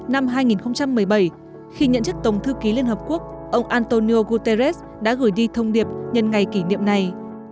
năm hai nghìn một mươi bảy khi nhận chức tổng thư ký liên hợp quốc ông antonio guterres đã gửi đi thông điệp nhân ngày kỷ niệm này